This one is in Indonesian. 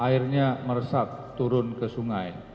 airnya meresap turun ke sungai